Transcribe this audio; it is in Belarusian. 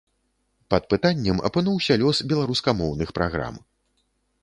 Пад пытаннем апынуўся лёс беларускамоўных праграм.